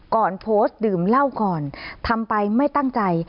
ก่อนโพสต์ดื่มเหล้าก่อนทำไปไม่ตั้งใจ